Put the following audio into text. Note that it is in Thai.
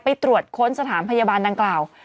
ไปตรวจค้นสถานพยาบาลดังกล่าว